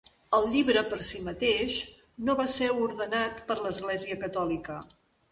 El llibre per si mateix, no va ser ordenat per l'Església Catòlica.